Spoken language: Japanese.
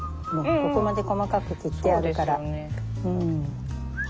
もうここまで細かく切ってあるから。